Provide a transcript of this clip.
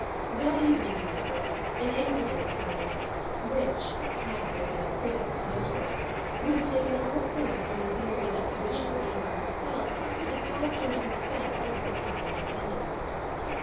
That evening, however, an incident occurred which had there been a critic to note it would have taken all colour from the theory that the wish to be quite by herself had caused her to dispense with her cousin's attendance.